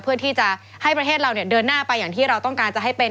เพื่อที่จะให้ประเทศเราเดินหน้าไปอย่างที่เราต้องการจะให้เป็น